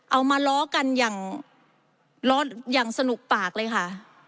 เอามาล้อกันอย่างสนุกปากเลยค่ะ